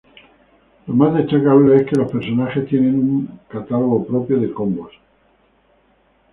Lo más destacable es que los personajes tienen un propio catálogo de combos.